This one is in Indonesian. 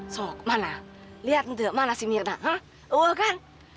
sok mana liat nduk mana si mirna brvious kan